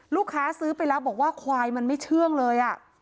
ซื้อไปแล้วบอกว่าควายมันไม่เชื่องเลย